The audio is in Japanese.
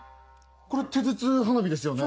これ手筒花火ですよね？